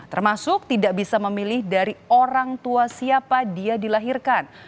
termasuk tidak bisa memilih dari orang tua siapa dia dilahirkan